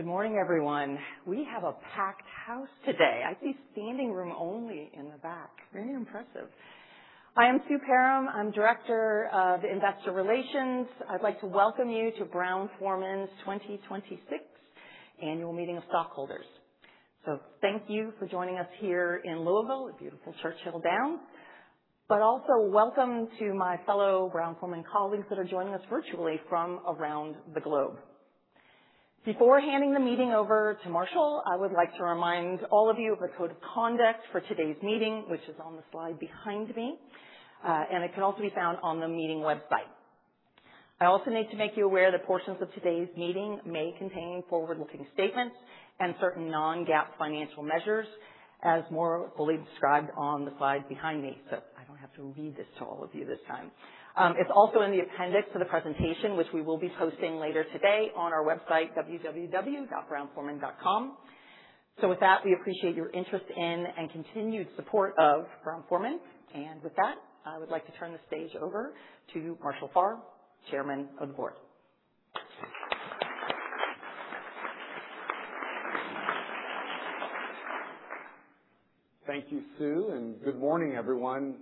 Good morning, everyone. We have a packed house today. I see standing room only in the back. Very impressive. I am Sue Perram. I'm Director of Investor Relations. I'd like to welcome you to Brown-Forman's 2026 Annual Meeting of Stockholders. Thank you for joining us here in Louisville, the beautiful Churchill Downs. Also welcome to my fellow Brown-Forman colleagues that are joining us virtually from around the globe. Before handing the meeting over to Marshall, I would like to remind all of you of our code of conduct for today's meeting, which is on the slide behind me. It can also be found on the meeting website. I also need to make you aware that portions of today's meeting may contain forward-looking statements and certain non-GAAP financial measures, as more fully described on the slide behind me. I don't have to read this to all of you this time. It's also in the appendix to the presentation, which we will be posting later today on our website, www.brown-forman.com. With that, we appreciate your interest in and continued support of Brown-Forman. With that, I would like to turn the stage over to Marshall Farrer, Chairman of the Board. Thank you, Sue. Good morning, everyone.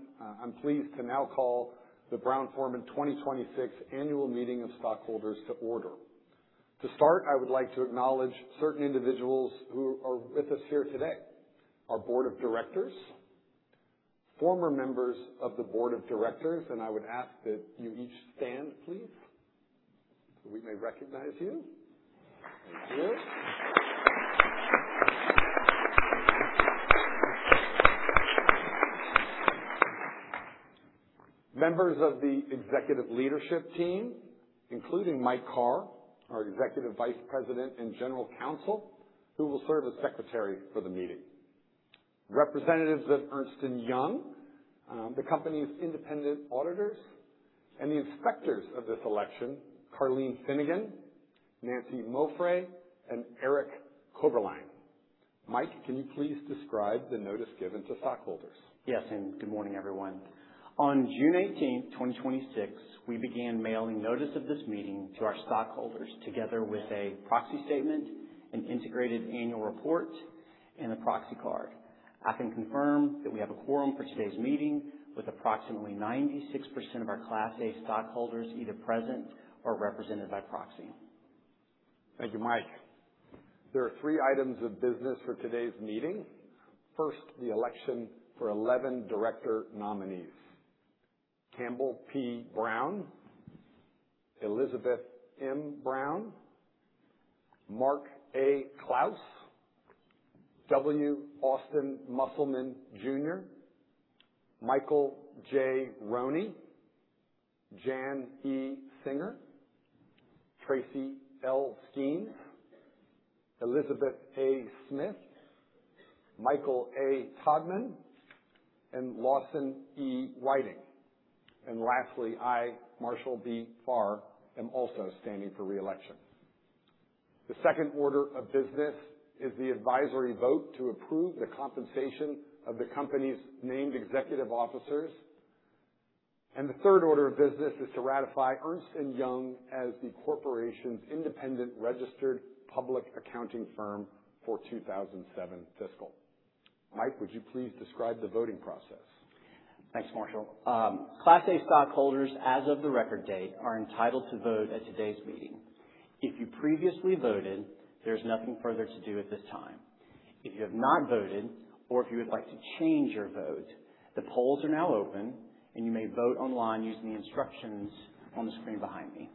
I'm pleased to now call the Brown-Forman 2026 Annual Meeting of Stockholders to order. To start, I would like to acknowledge certain individuals who are with us here today. Our Board of Directors, former members of the Board of Directors. I would ask that you each stand, please, so we may recognize you. Thank you. Members of the Executive Leadership Team, including Mike Carr, our Executive Vice President and General Counsel, who will serve as Secretary for the meeting. Representatives of Ernst & Young, the company's independent auditors, and the inspectors of this election, Karleen Finnegan, Nancie Mauffray, and Eric Koeberlein. Mike, can you please describe the notice given to stockholders? Yes. Good morning, everyone. On June 18th, 2026, we began mailing notice of this meeting to our stockholders, together with a Proxy Statement, an Integrated Annual Report, and a proxy card. I can confirm that we have a quorum for today's meeting with approximately 96% of our Class A stockholders either present or represented by proxy. Thank you, Mike. There are three items of business for today's meeting. First, the election for 11 director nominees. Campbell P. Brown, Elizabeth M. Brown, Mark A. Clouse, W. Austin Musselman Jr., Michael J. Roney, Jan E. Singer, Tracy L. Skeans, Elizabeth A. Smith, Michael A. Todman, and Lawson E. Whiting. Lastly, I, Marshall B. Farrer, am also standing for re-election. The second order of business is the advisory vote to approve the compensation of the company's named executive officers. The third order of business is to ratify Ernst & Young as the corporation's independent registered public accounting firm for fiscal 2027. Mike, would you please describe the voting process? Thanks, Marshall. Class A stockholders, as of the record date, are entitled to vote at today's meeting. If you previously voted, there's nothing further to do at this time. If you have not voted or if you would like to change your vote, the polls are now open, and you may vote online using the instructions on the screen behind me.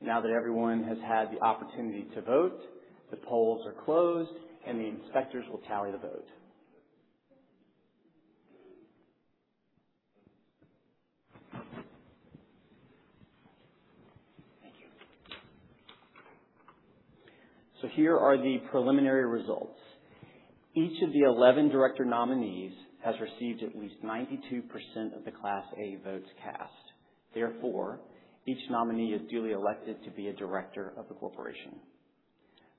Now that everyone has had the opportunity to vote, the polls are closed, and the inspectors will tally the vote. Here are the preliminary results. Each of the 11 director nominees has received at least 92% of the Class A votes cast. Therefore, each nominee is duly elected to be a director of the corporation.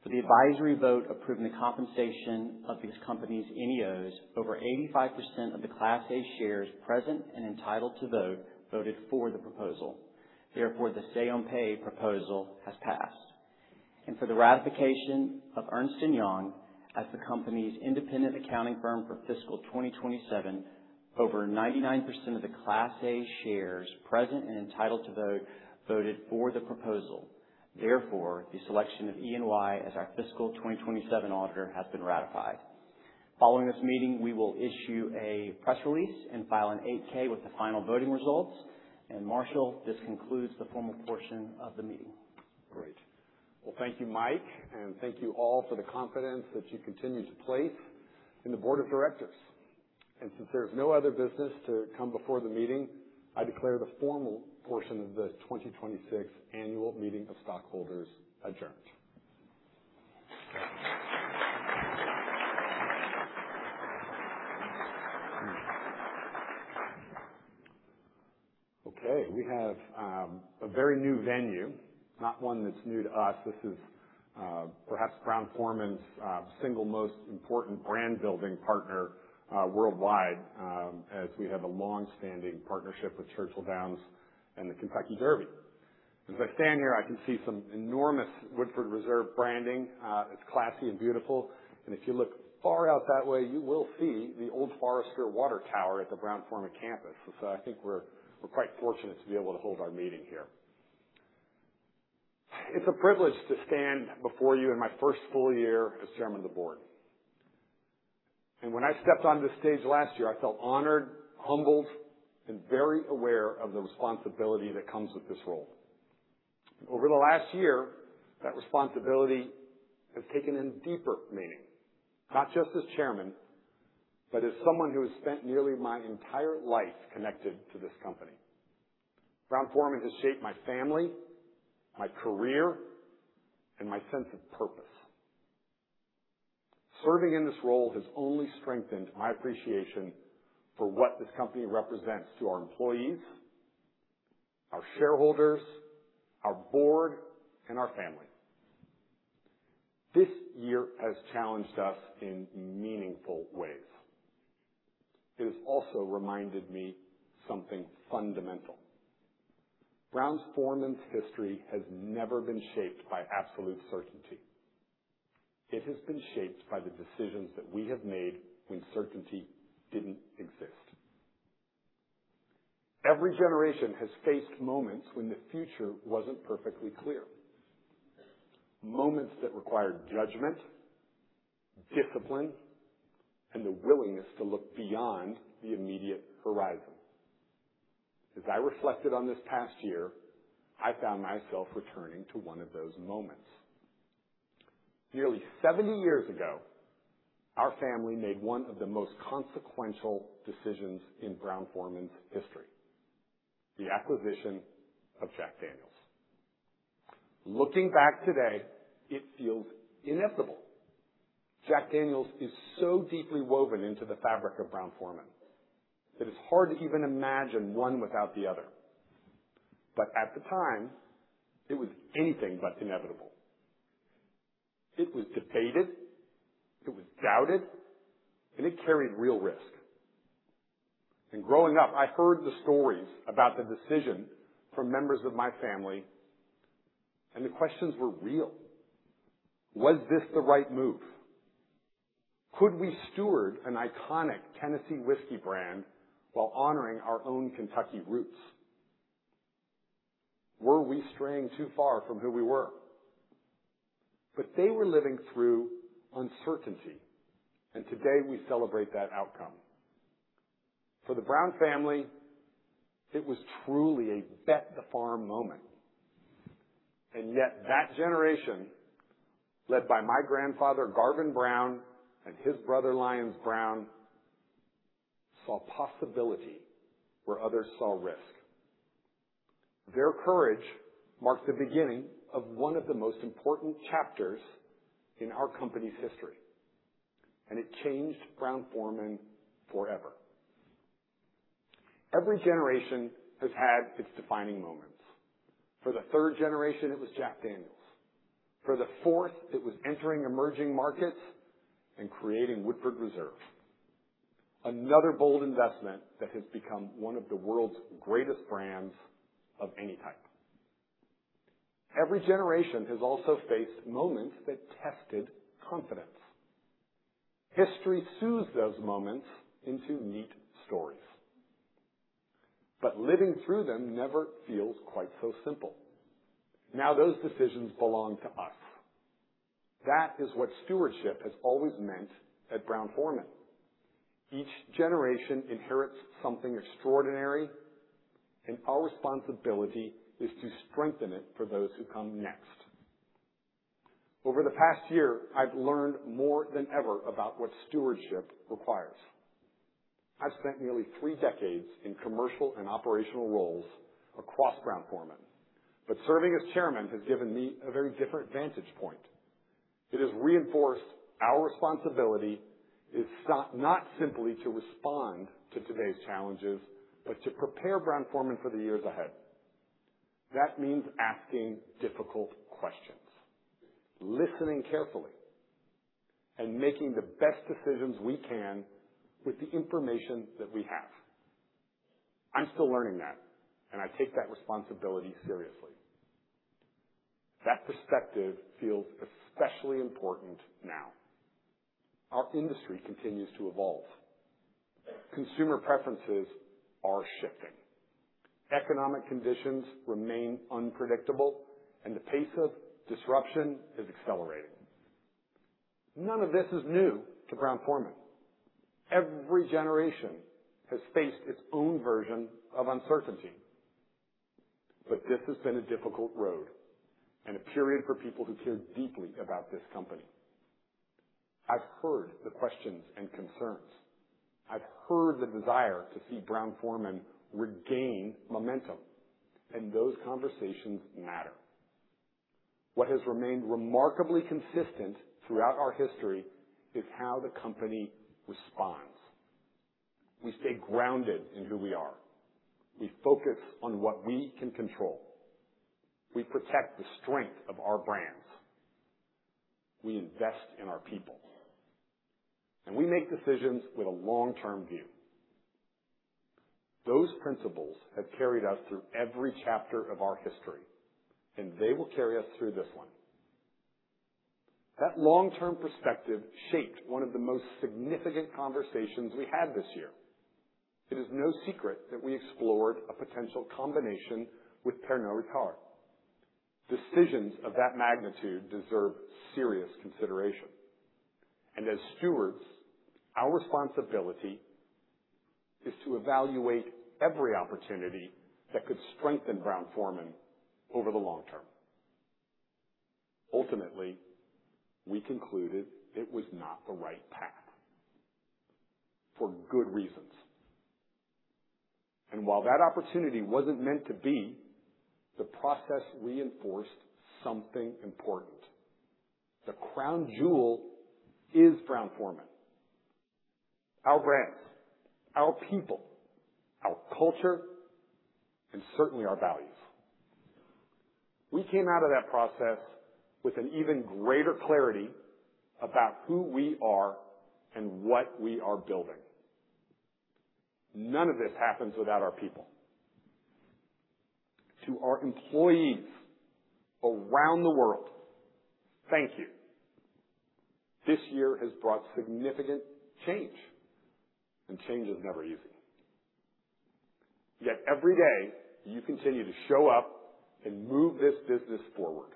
For the advisory vote approving the compensation of these companies' NEOs, over 85% of the Class A shares present and entitled to vote, voted for the proposal. Therefore, the say on pay proposal has passed. For the ratification of Ernst & Young as the company's independent accounting firm for fiscal 2027, over 99% of the Class A shares present and entitled to vote, voted for the proposal. Therefore, the selection of EY as our fiscal 2027 auditor has been ratified. Following this meeting, we will issue a press release and file an 8-K with the final voting results. Marshall, this concludes the formal portion of the meeting. Great. Thank you, Mike, and thank you all for the confidence that you continue to place in the Board of Directors. Since there is no other business to come before the meeting, I declare the formal portion of the 2026 Annual Meeting of Stockholders adjourned. We have a very new venue, not one that's new to us. This is perhaps Brown-Forman's single most important brand-building partner worldwide, as we have a longstanding partnership with Churchill Downs and the Kentucky Derby. As I stand here, I can see some enormous Woodford Reserve branding. It's classy and beautiful, and if you look far out that way, you will see the Old Forester water tower at the Brown-Forman campus. I think we're quite fortunate to be able to hold our meeting here. It's a privilege to stand before you in my first full year as Chairman of the Board. When I stepped on this stage last year, I felt honored, humbled, and very aware of the responsibility that comes with this role. Over the last year, that responsibility has taken on a deeper meaning, not just as Chairman, but as someone who has spent nearly my entire life connected to this company. Brown-Forman has shaped my family, my career, and my sense of purpose. Serving in this role has only strengthened my appreciation for what this company represents to our employees, our shareholders, our board, and our family. This year has challenged us in meaningful ways. It has also reminded me something fundamental. Brown-Forman's history has never been shaped by absolute certainty. It has been shaped by the decisions that we have made when certainty didn't exist. Every generation has faced moments when the future wasn't perfectly clear, moments that required judgment, discipline, and the willingness to look beyond the immediate horizon. As I reflected on this past year, I found myself returning to one of those moments. Nearly 70 years ago, our family made one of the most consequential decisions in Brown-Forman's history, the acquisition of Jack Daniel's. Looking back today, it feels inevitable. Jack Daniel's is so deeply woven into the fabric of Brown-Forman that it's hard to even imagine one without the other. At the time, it was anything but inevitable. It was debated, it was doubted, and it carried real risk. Growing up, I heard the stories about the decision from members of my family, and the questions were real. Was this the right move? Could we steward an iconic Tennessee whiskey brand while honoring our own Kentucky roots? Were we straying too far from who we were? They were living through uncertainty, and today we celebrate that outcome. For the Brown family, it was truly a bet the farm moment. Yet that generation, led by my grandfather, Garvin Brown, and his brother, Lyons Brown, saw possibility where others saw risk. Their courage marked the beginning of one of the most important chapters in our company's history, and it changed Brown-Forman forever. Every generation has had its defining moments. For the third generation, it was Jack Daniel's. For the fourth, it was entering emerging markets and creating Woodford Reserve. Another bold investment that has become one of the world's greatest brands of any type. Every generation has also faced moments that tested confidence. History soothes those moments into neat stories, living through them never feels quite so simple. Now those decisions belong to us. That is what stewardship has always meant at Brown-Forman. Each generation inherits something extraordinary, and our responsibility is to strengthen it for those who come next. Over the past year, I've learned more than ever about what stewardship requires. I've spent nearly three decades in commercial and operational roles across Brown-Forman, serving as Chairman has given me a very different vantage point. It has reinforced our responsibility is not simply to respond to today's challenges, but to prepare Brown-Forman for the years ahead. That means asking difficult questions, listening carefully, and making the best decisions we can with the information that we have. I'm still learning that, I take that responsibility seriously. That perspective feels especially important now. Our industry continues to evolve. Consumer preferences are shifting, economic conditions remain unpredictable, and the pace of disruption is accelerating. None of this is new to Brown-Forman. Every generation has faced its own version of uncertainty. This has been a difficult road and a period for people who care deeply about this company. I've heard the questions and concerns. I've heard the desire to see Brown-Forman regain momentum, and those conversations matter. What has remained remarkably consistent throughout our history is how the company responds. We stay grounded in who we are. We focus on what we can control. We protect the strength of our brands. We invest in our people. We make decisions with a long-term view. Those principles have carried us through every chapter of our history, and they will carry us through this one. That long-term perspective shaped one of the most significant conversations we had this year. It is no secret that we explored a potential combination with Pernod Ricard. Decisions of that magnitude deserve serious consideration. As stewards, our responsibility is to evaluate every opportunity that could strengthen Brown-Forman over the long term. Ultimately, we concluded it was not the right path. For good reasons. While that opportunity wasn't meant to be, the process reinforced something important. The crown jewel is Brown-Forman, our brands, our people, our culture, and certainly our values. We came out of that process with an even greater clarity about who we are and what we are building. None of this happens without our people. To our employees around the world, thank you. This year has brought significant change, and change is never easy. Yet every day, you continue to show up and move this business forward.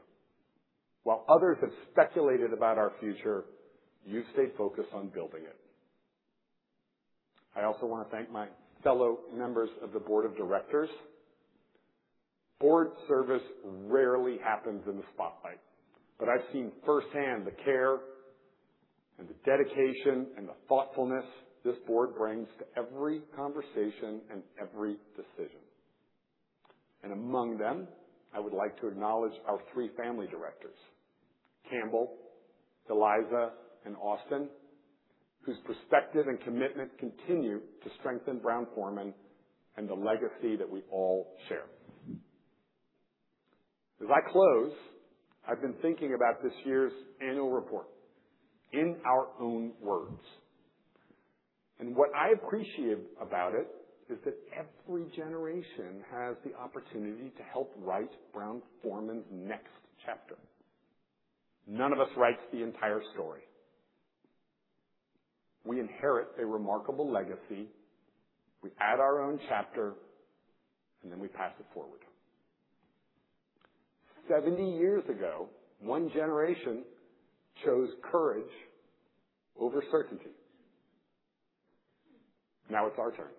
While others have speculated about our future, you stay focused on building it. I also want to thank my fellow members of the Board of Directors. Board service rarely happens in the spotlight, but I've seen firsthand the care and the dedication and the thoughtfulness this Board brings to every conversation and every decision. Among them, I would like to acknowledge our three family directors, Campbell, Eliza, and Austin, whose perspective and commitment continue to strengthen Brown-Forman and the legacy that we all share. As I close, I've been thinking about this year's Annual Report, in our own words. What I appreciate about it is that every generation has the opportunity to help write Brown-Forman's next chapter. None of us writes the entire story. We inherit a remarkable legacy, we add our own chapter, and then we pass it forward. 70 years ago, one generation chose courage over certainty. Now it's our turn.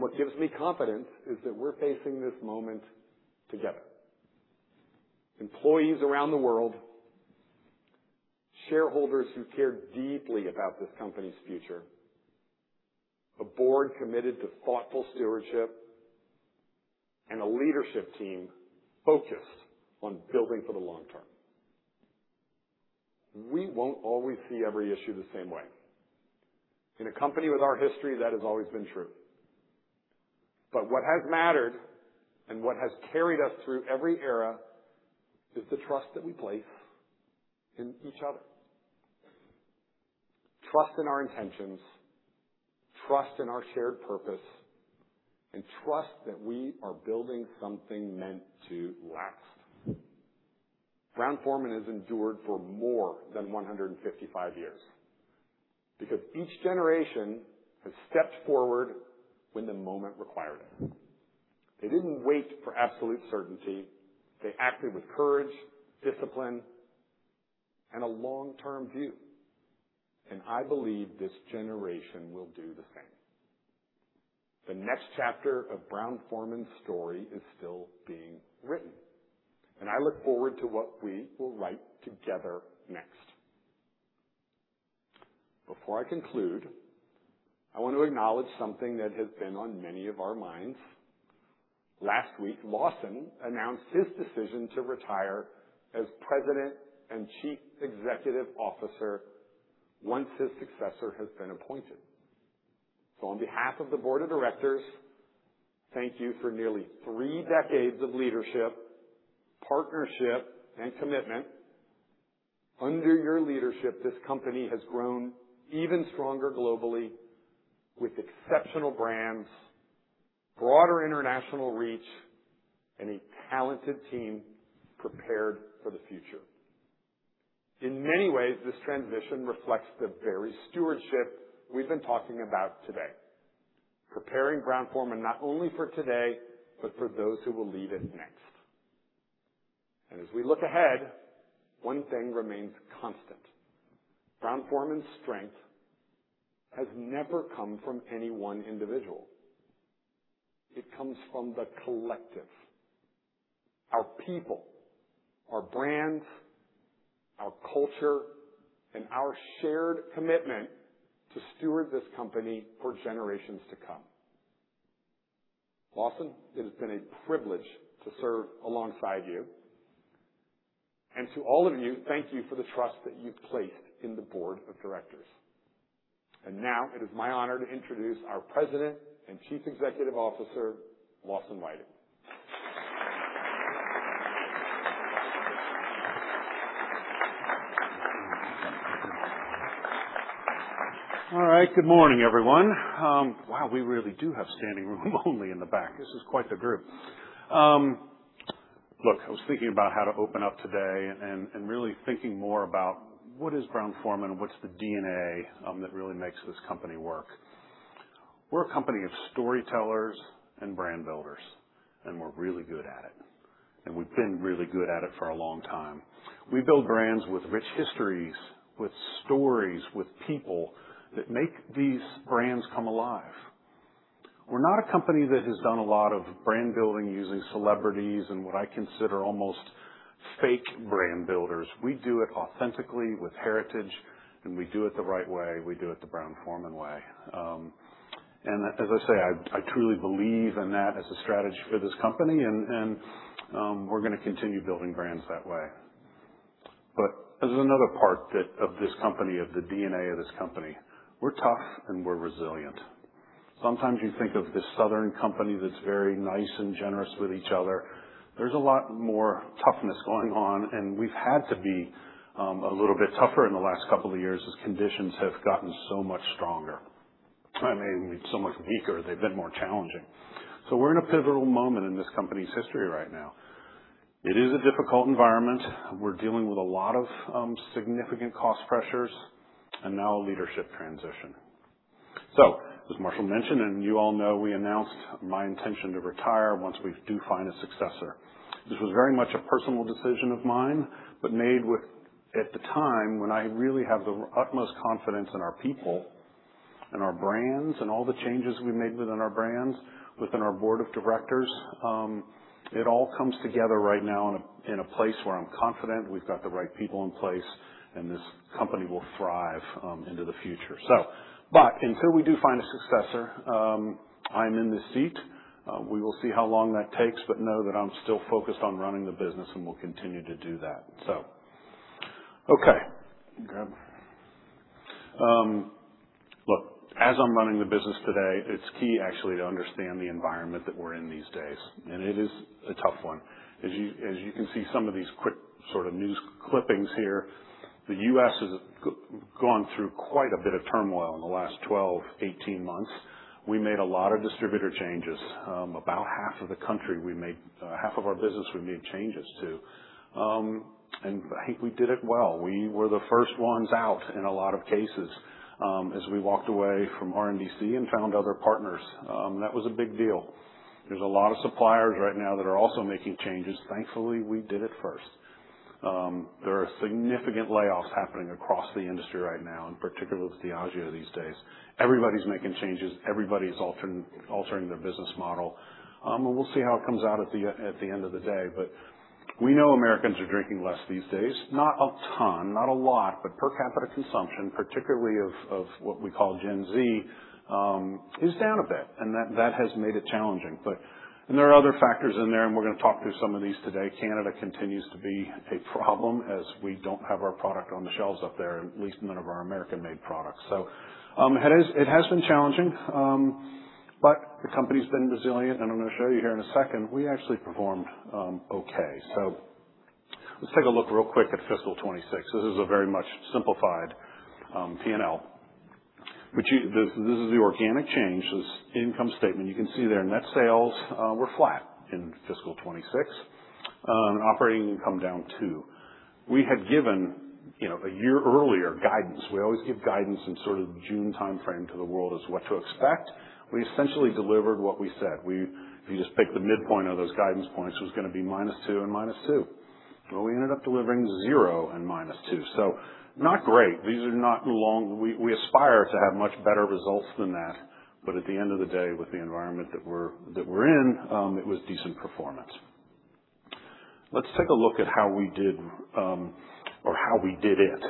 What gives me confidence is that we're facing this moment together. Employees around the world, shareholders who care deeply about this company's future, a board committed to thoughtful stewardship, and a leadership team focused on building for the long term. We won't always see every issue the same way. In a company with our history, that has always been true. What has mattered and what has carried us through every era is the trust that we place in each other. Trust in our intentions, trust in our shared purpose, and trust that we are building something meant to last. Brown-Forman has endured for more than 155 years because each generation has stepped forward when the moment required it. They didn't wait for absolute certainty. They acted with courage, discipline, and a long-term view. I believe this generation will do the same. The next chapter of Brown-Forman's story is still being written, and I look forward to what we will write together next. Before I conclude, I want to acknowledge something that has been on many of our minds. Last week, Lawson announced his decision to retire as President and Chief Executive Officer once his successor has been appointed. On behalf of the Board of Directors, thank you for nearly three decades of leadership, partnership, and commitment. Under your leadership, this company has grown even stronger globally with exceptional brands, broader international reach, and a talented team prepared for the future. In many ways, this transition reflects the very stewardship we've been talking about today, preparing Brown-Forman not only for today, but for those who will lead it next. As we look ahead, one thing remains constant. Brown-Forman's strength has never come from any one individual. It comes from the collective, our people, our brands, our culture, and our shared commitment to steward this company for generations to come. Lawson, it has been a privilege to serve alongside you. To all of you, thank you for the trust that you've placed in the Board of Directors. Now it is my honor to introduce our President and Chief Executive Officer, Lawson Whiting. All right. Good morning, everyone. Wow, we really do have standing room only in the back. This is quite the group. Look, I was thinking about how to open up today and really thinking more about what is Brown-Forman, what's the DNA that really makes this company work. We're a company of storytellers and brand builders, and we're really good at it. We've been really good at it for a long time. We build brands with rich histories, with stories, with people, that make these brands come alive. We're not a company that has done a lot of brand building using celebrities and what I consider almost fake brand builders. We do it authentically with heritage, and we do it the right way. We do it the Brown-Forman way. As I say, I truly believe in that as a strategy for this company, and we're going to continue building brands that way. There's another part of this company, of the DNA of this company. We're tough, and we're resilient. Sometimes you think of this Southern company that's very nice and generous with each other. There's a lot more toughness going on, and we've had to be a little bit tougher in the last couple of years as conditions have gotten so much stronger, I mean, so much weaker. They've been more challenging. We're in a pivotal moment in this company's history right now. It is a difficult environment. We're dealing with a lot of significant cost pressures and now a leadership transition. As Marshall mentioned, and you all know, we announced my intention to retire once we do find a successor. This was very much a personal decision of mine, but made at the time when I really have the utmost confidence in our people, in our brands, and all the changes we made within our brands, within our Board of Directors. It all comes together right now in a place where I'm confident we've got the right people in place, and this company will thrive into the future. Until we do find a successor, I'm in the seat. We will see how long that takes, but know that I'm still focused on running the business and will continue to do that. Okay. Look, as I'm running the business today, it's key, actually, to understand the environment that we're in these days, and it is a tough one. As you can see, some of these quick news clippings here. The U.S. has gone through quite a bit of turmoil in the last 12, 18 months. We made a lot of distributor changes. About half of the country, half of our business, we made changes to. I think we did it well. We were the first ones out in a lot of cases, as we walked away from RNDC and found other partners. That was a big deal. There's a lot of suppliers right now that are also making changes. Thankfully, we did it first. There are significant layoffs happening across the industry right now, in particular with Diageo these days. Everybody's making changes. Everybody's altering their business model. We'll see how it comes out at the end of the day. We know Americans are drinking less these days. Not a ton, not a lot, but per capita consumption, particularly of what we call Gen Z, is down a bit, and that has made it challenging. There are other factors in there, and we're going to talk through some of these today. Canada continues to be a problem as we don't have our product on the shelves up there, at least none of our American-made products. It has been challenging. The company's been resilient, and I'm going to show you here in a second, we actually performed okay. Let's take a look real quick at fiscal 2026. This is a very much simplified P&L. This is the organic change. This income statement. You can see there, net sales were flat in fiscal 2026. Operating income down, too. We had given, a year earlier, guidance. We always give guidance in sort of the June timeframe to the world as what to expect. We essentially delivered what we said. If you just pick the midpoint of those guidance points, it was going to be -2% and -2%. Well, we ended up delivering 0% and -2%. Not great. We aspire to have much better results than that. At the end of the day, with the environment that we're in, it was decent performance. Let's take a look at how we did it.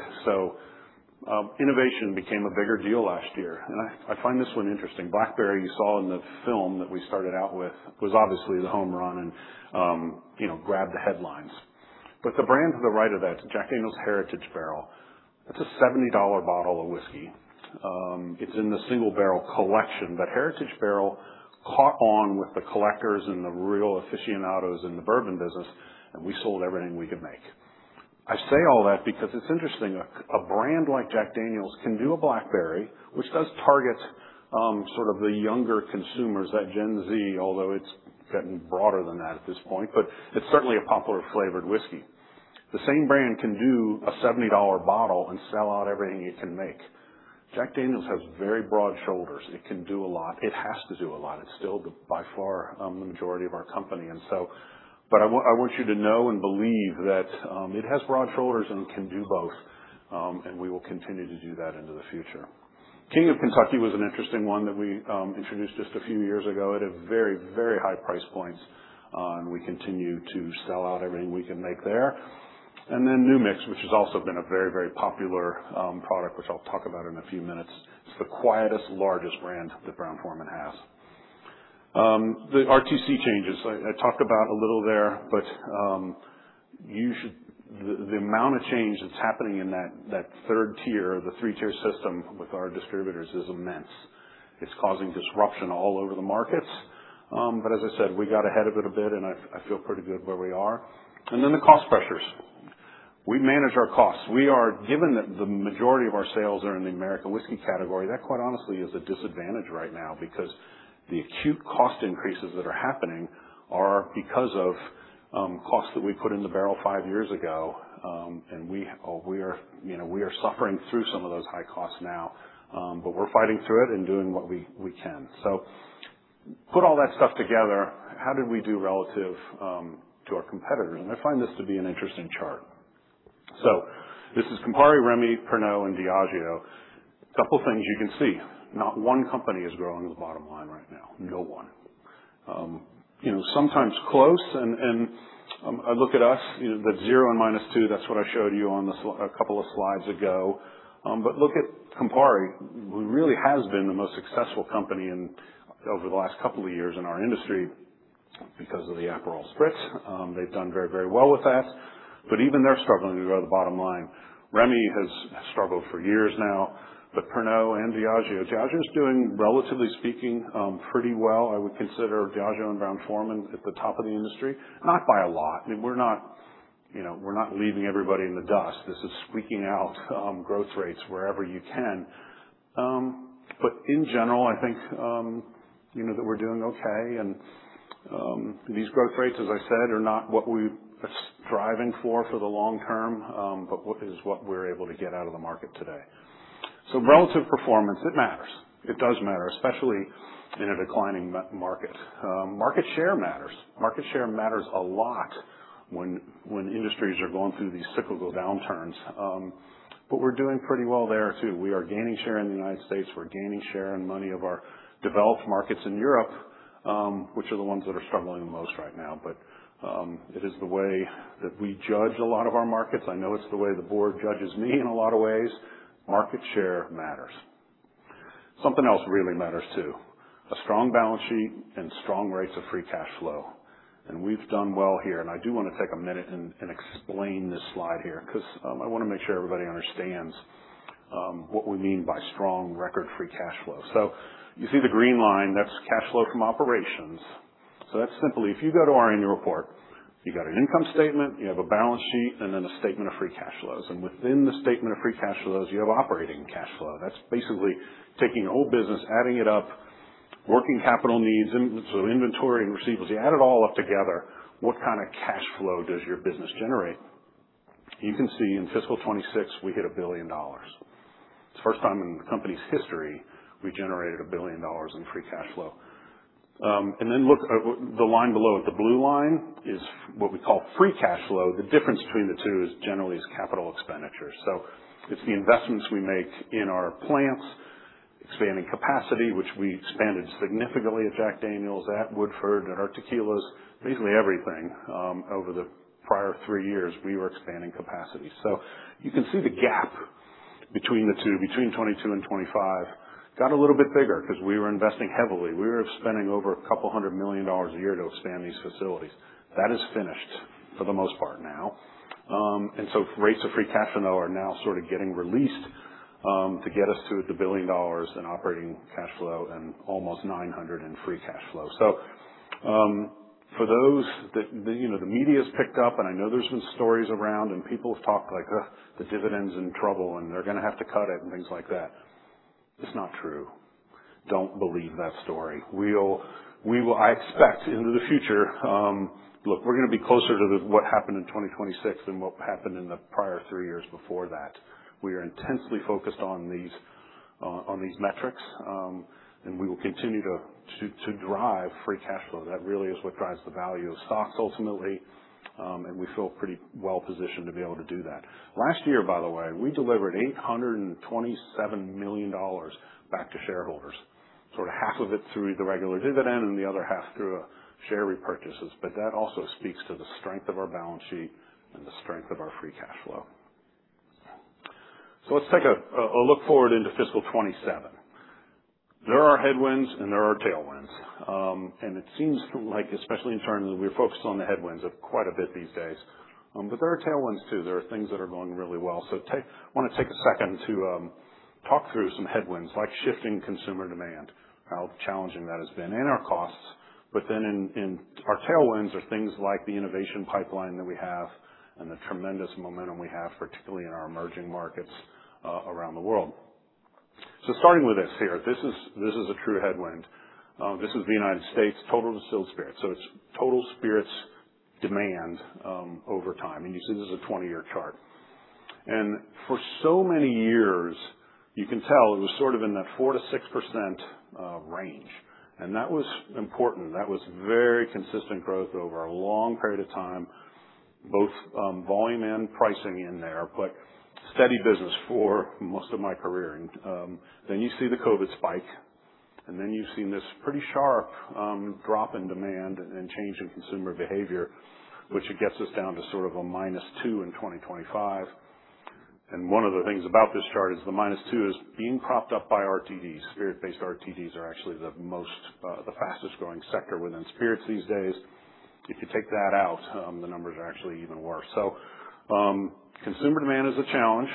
Innovation became a bigger deal last year. I find this one interesting. Blackberry, you saw in the film that we started out with, was obviously the home run and grabbed the headlines. But the brand to the right of that, Jack Daniel's Heritage Barrel, that's a $70 bottle of whiskey. It's in the Single Barrel Collection, Heritage Barrel caught on with the collectors and the real aficionados in the bourbon business, we sold everything we could make. I say all that because it's interesting. A brand like Jack Daniel's can do a Blackberry, which does target sort of the younger consumers, that Gen Z, although it's gotten broader than that at this point. It's certainly a popular flavored whiskey. The same brand can do a $70 bottle and sell out everything it can make. Jack Daniel's has very broad shoulders. It can do a lot. It has to do a lot. It's still, by far, the majority of our company. I want you to know and believe that it has broad shoulders and can do both, and we will continue to do that into the future. King of Kentucky was an interesting one that we introduced just a few years ago at a very high price point, and we continue to sell out everything we can make there. New Mix, which has also been a very, very popular product, which I'll talk about in a few minutes. It's the quietest, largest brand that Brown-Forman has. The RTC changes, I talked about a little there, but the amount of change that's happening in that third tier, the three-tier system with our distributors, is immense. It's causing disruption all over the markets. As I said, we got ahead of it a bit, and I feel pretty good where we are. The cost pressures. We manage our costs. Given that the majority of our sales are in the American whiskey category, that quite honestly is a disadvantage right now because the acute cost increases that are happening are because of costs that we put in the barrel five years ago and we're suffering through some of those high cost right now. We're fighting through it and doing what we can. Put all that stuff together, how did we do relative to our competitors? I find this to be an interesting chart. This is Campari, Rémy, Pernod, and Diageo. Couple of things you can see. Not one company is growing in the bottom line right now. No one. Sometimes close, and I look at us, the 0% and -2%, that's what I showed you a couple of slides ago. Look at Campari, who really has been the most successful company over the last couple of years in our industry because of the Aperol Spritz. They've done very, very well with that. Even they're struggling to grow the bottom line. Rémy has struggled for years now, but Pernod and Diageo's doing relatively speaking, pretty well. I would consider Diageo and Brown-Forman at the top of the industry. Not by a lot. We're not leaving everybody in the dust. This is squeaking out growth rates wherever you can. In general, I think that we're doing okay. These growth rates, as I said, are not what we're striving for the long term, but is what we're able to get out of the market today. Relative performance, it matters. It does matter, especially in a declining market. Market share matters. Market share matters a lot when industries are going through these cyclical downturns. We're doing pretty well there too. We are gaining share in the U.S. We're gaining share in many of our developed markets in Europe, which are the ones that are struggling the most right now. It is the way that we judge a lot of our markets. I know it's the way the Board judges me in a lot of ways. Market share matters. Something else really matters, too. A strong balance sheet and strong rates of free cash flow. We've done well here, and I do want to take a minute and explain this slide here, because I want to make sure everybody understands what we mean by strong record free cash flow. You see the green line, that's cash flow from operations. That's simply, if you go to our annual report, you got an income statement, you have a balance sheet, and then a statement of free cash flows. Within the statement of free cash flows, you have operating cash flow. That's basically taking the whole business, adding it up, working capital needs, so inventory and receivables, you add it all up together, what kind of cash flow does your business generate? You can see in fiscal 2026, we hit $1 billion. It's the first time in the company's history we generated $1 billion in free cash flow. Look at the line below it, the blue line is what we call free cash flow. The difference between the two is generally is capital expenditure. It's the investments we make in our plants, expanding capacity, which we expanded significantly at Jack Daniel's, at Woodford Reserve, at our tequilas, basically everything. Over the prior three years, we were expanding capacity. You can see the gap between the two, between 2022 and 2025, got a little bit bigger because we were investing heavily. We were spending over a couple hundred million dollars a year to expand these facilities. That is finished for the most part now. Rates of free cash flow are now sort of getting released, to get us to the $1 billion in operating cash flow and almost $900 million in free cash flow. For those, the media's picked up, and I know there's been stories around, and people have talked like, "Oh, the dividend's in trouble, and they're going to have to cut it," and things like that. It's not true. Don't believe that story. I expect into the future, look, we're going to be closer to what happened in 2026 than what happened in the prior three years before that. We are intensely focused on these metrics, and we will continue to drive free cash flow. That really is what drives the value of stocks ultimately, and we feel pretty well positioned to be able to do that. Last year, by the way, we delivered $827 million back to shareholders, sort of half of it through the regular dividend, and the other half through share repurchases. That also speaks to the strength of our balance sheet and the strength of our free cash flow. Let's take a look forward into fiscal 2027. There are headwinds, and there are tailwinds. It seems like, especially in terms, we're focused on the headwinds quite a bit these days. There are tailwinds too. There are things that are going really well. I want to take a second to talk through some headwinds, like shifting consumer demand, how challenging that has been, and our costs. In our tailwinds are things like the innovation pipeline that we have and the tremendous momentum we have, particularly in our emerging markets around the world. Starting with this here, this is a true headwind. This is the U.S., total distilled spirits. It's total spirits demand over time. You see this is a 20-year chart. For so many years, you can tell it was sort of in that 4%-6% range. That was important. That was very consistent growth over a long period of time, both volume and pricing in there, but steady business for most of my career. You see the COVID spike. You've seen this pretty sharp drop in demand and change in consumer behavior, which it gets us down to a -2% in 2025. One of the things about this chart is the -2% is being propped up by RTDs. Spirit-based RTDs are actually the fastest growing sector within spirits these days. If you take that out, the numbers are actually even worse. Consumer demand is a challenge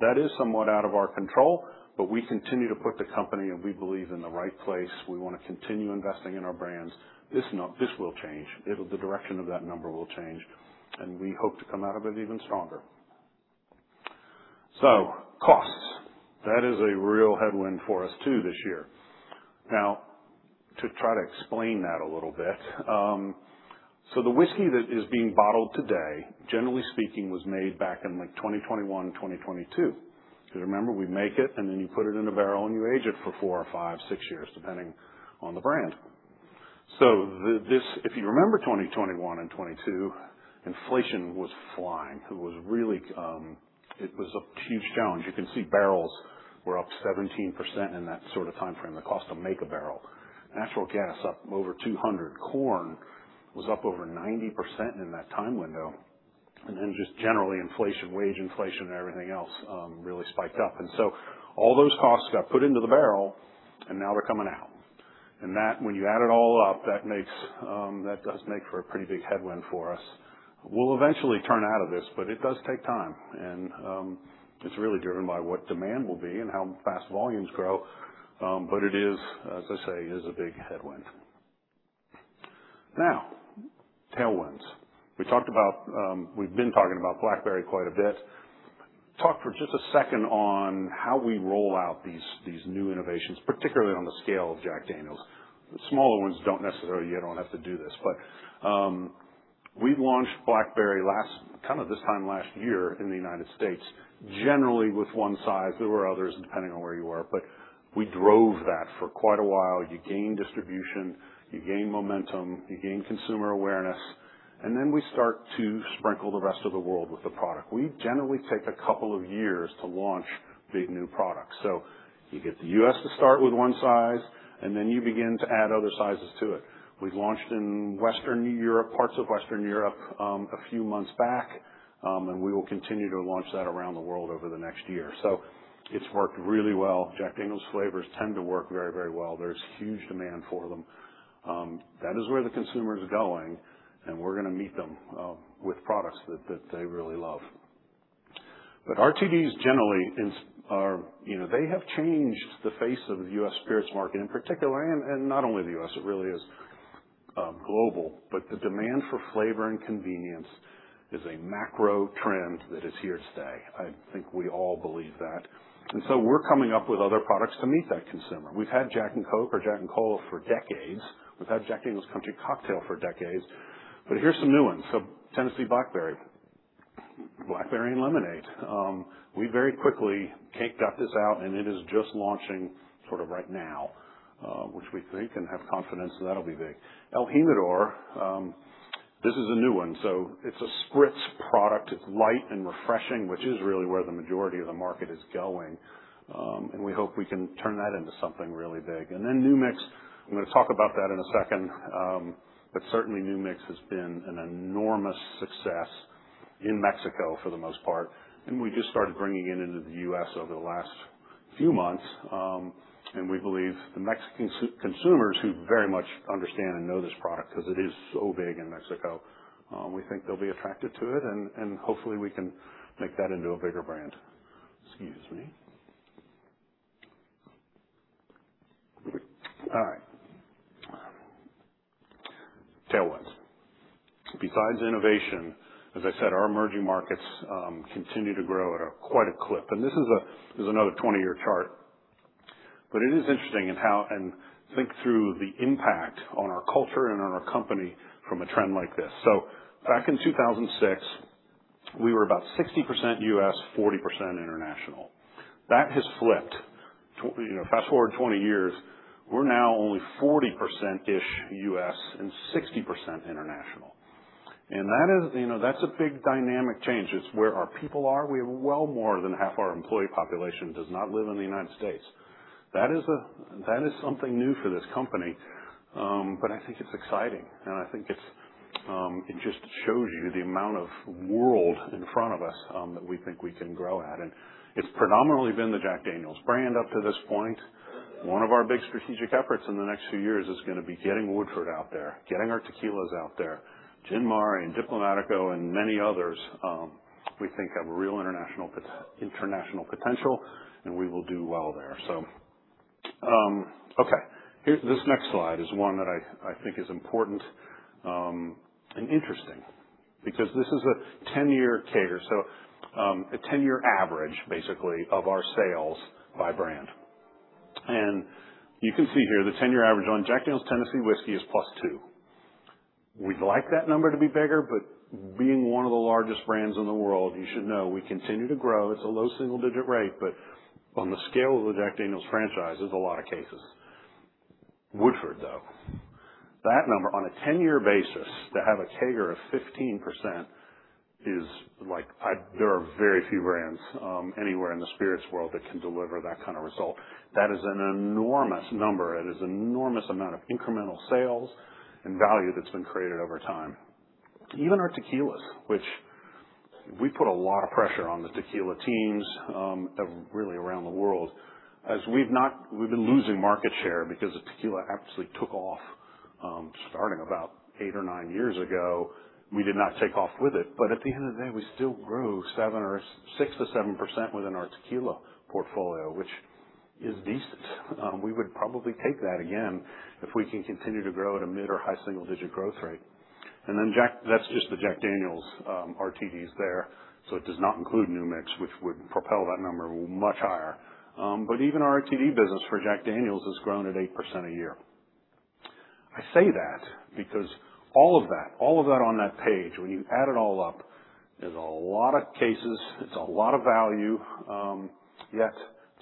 that is somewhat out of our control, but we continue to put the company, and we believe, in the right place. We want to continue investing in our brands. This will change. The direction of that number will change, and we hope to come out of it even stronger. Costs. That is a real headwind for us, too, this year. To try to explain that a little bit. The whiskey that is being bottled today, generally speaking, was made back in 2021-2022. Remember, we make it, and then you put it in a barrel, and you age it for four or five, six years, depending on the brand. If you remember 2021 and 2022, inflation was flying. It was a huge challenge. You can see barrels were up 17% in that sort of timeframe, the cost to make a barrel. Natural gas up over 200%. Corn was up over 90% in that time window. Just generally, inflation, wage inflation, and everything else really spiked up. All those costs got put into the barrel, and now they're coming out. That, when you add it all up, that does make for a pretty big headwind for us. We'll eventually turn out of this, but it does take time, and it's really driven by what demand will be and how fast volumes grow. It is, as I say, is a big headwind. Tailwinds. We've been talking about Blackberry quite a bit. Talk for just a second on how we roll out these new innovations, particularly on the scale of Jack Daniel's. The smaller ones, you don't have to do this. We launched Blackberry this time last year in the U.S., generally with one size. There were others, depending on where you were. We drove that for quite a while. You gain distribution, you gain momentum, you gain consumer awareness, and then we start to sprinkle the rest of the world with the product. We generally take a couple of years to launch big new products. You get the U.S. to start with one size, then you begin to add other sizes to it. We launched in parts of Western Europe a few months back, we will continue to launch that around the world over the next year. It's worked really well. Jack Daniel's flavors tend to work very, very well. There's huge demand for them. That is where the consumer is going, and we're going to meet them with products that they really love. RTDs, generally, they have changed the face of the U.S. spirits market in particular. Not only the U.S., it really is global. The demand for flavor and convenience is a macro trend that is here to stay. I think we all believe that. We're coming up with other products to meet that consumer. We've had Jack & Coke or Jack & Cola for decades. We've had Jack Daniel's Country Cocktail for decades. Here's some new ones. Tennessee Blackberry, Blackberry and Lemonade. We very quickly got this out, it is just launching right now, which we think and have confidence that that'll be big. El Jimador, this is a new one. It's a spritz product. It's light and refreshing, which is really where the majority of the market is going. We hope we can turn that into something really big. New Mix, I'm going to talk about that in a second. Certainly, New Mix has been an enormous success in Mexico for the most part. We just started bringing it into the U.S. over the last few months. We believe the Mexican consumers, who very much understand and know this product, because it is so big in Mexico, we think they'll be attracted to it, hopefully, we can make that into a bigger brand. Excuse me. All right. Tailwinds. Besides innovation, as I said, our emerging markets continue to grow at quite a clip. This is another 20-year chart, it is interesting, think through the impact on our culture and on our company from a trend like this. Back in 2006, we were about 60% U.S., 40% international. That has flipped. Fast-forward 20 years, we're now only 40%-ish U.S. and 60% international. That's a big dynamic change. It's where our people are. Well more than half our employee population does not live in the United States. That is something new for this company, I think it's exciting, I think it just shows you the amount of world in front of us that we think we can grow at. It's predominantly been the Jack Daniel's brand up to this point. One of our big strategic efforts in the next few years is going to be getting Woodford out there, getting our tequilas out there. Gin Mare, Diplomático, many others we think have a real international potential, we will do well there. Okay. This next slide is one that I think is important and interesting because this is a 10-year CAGR here. A 10-year average, basically, of our sales by brand. You can see here, the 10-year average on Jack Daniel's Tennessee Whiskey is +2%. We'd like that number to be bigger, being one of the largest brands in the world, you should know, we continue to grow. It's a low single-digit rate, but on the scale of the Jack Daniel's franchise, there's a lot of cases. Woodford, though, that number, on a 10-year basis, to have a CAGR of 15%, there are very few brands anywhere in the spirits world that can deliver that kind of result. That is an enormous number. It is an enormous amount of incremental sales and value that's been created over time. Even our tequilas, which we put a lot of pressure on the tequila teams, really around the world, as we've been losing market share because as tequila absolutely took off, starting about eight or nine years ago, we did not take off with it. At the end of the day, we still grew 6%-7% within our tequila portfolio, which is decent. We would probably take that again if we can continue to grow at a mid or high single-digit growth rate. That's just the Jack Daniel's RTDs there, so it does not include New Mix, which would propel that number much higher. Even our RTD business for Jack Daniel's has grown at 8% a year. I say that because all of that on that page, when you add it all up, is a lot of cases, it's a lot of value, yet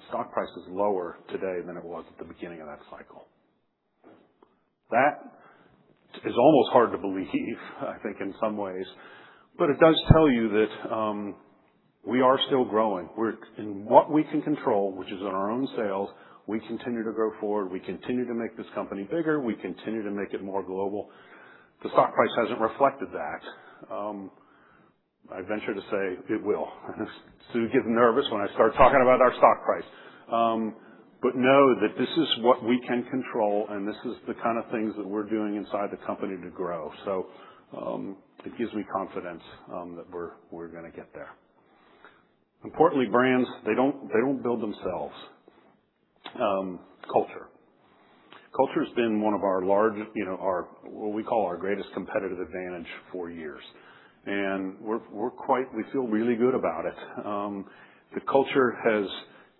stock price is lower today than it was at the beginning of that cycle. That is almost hard to believe, I think in some ways. It does tell you that we are still growing. In what we can control, which is in our own sales, we continue to grow forward, we continue to make this company bigger, we continue to make it more global. The stock price hasn't reflected that. I venture to say it will. Sue gets nervous when I start talking about our stock price. Know that this is what we can control, and this is the kind of things that we're doing inside the company to grow. It gives me confidence that we're going to get there. Importantly, brands, they don't build themselves. Culture. Culture has been one of what we call our greatest competitive advantage for years, and we feel really good about it. The culture has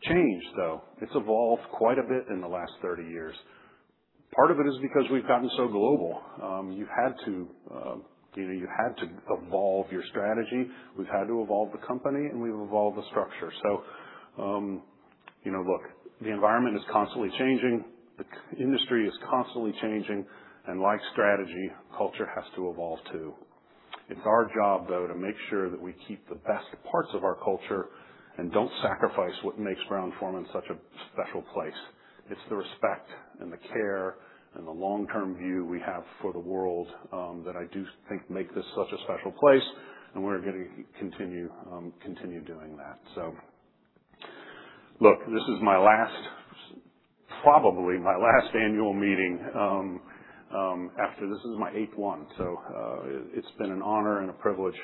changed, though. It's evolved quite a bit in the last 30 years. Part of it is because we've gotten so global. You've had to evolve your strategy. We've had to evolve the company, and we've evolved the structure. Look, the environment is constantly changing, the industry is constantly changing, like strategy, culture has to evolve, too. It's our job, though, to make sure that we keep the best parts of our culture and don't sacrifice what makes Brown-Forman such a special place. It's the respect and the care and the long-term view we have for the world, that I do think make this such a special place, and we're going to continue doing that. Look, this is probably my last Annual Meeting after. This is my eighth one. It's been an honor and a privilege.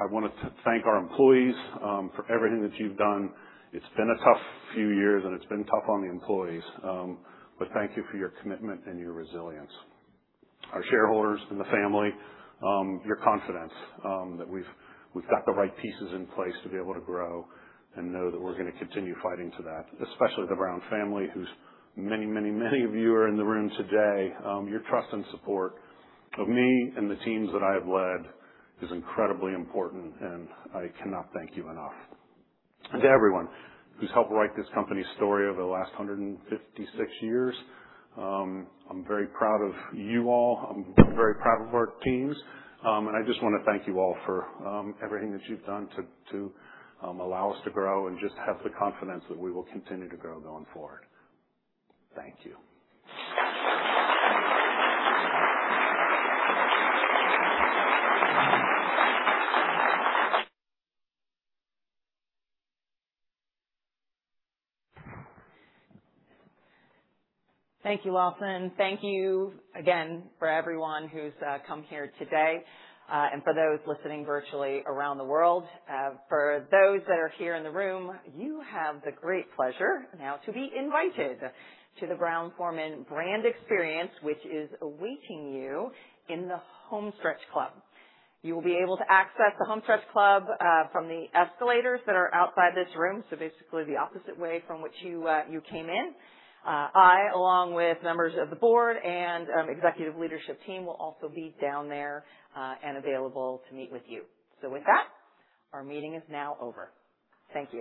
I want to thank our employees for everything that you've done. It's been a tough few years, and it's been tough on the employees. Thank you for your commitment and your resilience. Our shareholders and the family, your confidence that we've got the right pieces in place to be able to grow and know that we're going to continue fighting to that, especially the Brown family, who's many, many of you are in the room today. Your trust and support of me and the teams that I have led is incredibly important, I cannot thank you enough. To everyone who's helped write this company's story over the last 156 years, I'm very proud of you all. I'm very proud of our teams. I just want to thank you all for everything that you've done to allow us to grow and just have the confidence that we will continue to grow going forward. Thank you. Thank you, Lawson. Thank you again for everyone who's come here today, and for those listening virtually around the world. For those that are here in the room, you have the great pleasure now to be invited to the Brown-Forman brand experience, which is awaiting you in the Homestretch Club. You will be able to access the Homestretch Club from the escalators that are outside this room. Basically, the opposite way from which you came in. I, along with members of the Board and Executive Leadership Team, will also be down there, and available to meet with you. With that, our meeting is now over. Thank you.